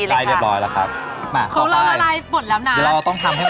อ่าเริ่มละลายปิดเตาเลย